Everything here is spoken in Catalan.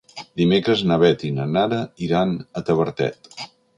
Dimecres na Beth i na Nara iran a Tavertet.